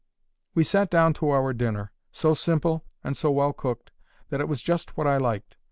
We sat down to our dinner, so simple and so well cooked that it was just what I liked.